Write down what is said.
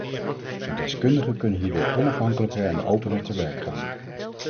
De deskundigen kunnen hierdoor onafhankelijker en opener te werk gaan.